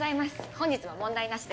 本日も問題なしです。